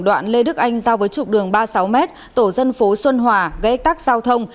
đoạn lê đức anh giao với trục đường ba mươi sáu m tổ dân phố xuân hòa gây tắc giao thông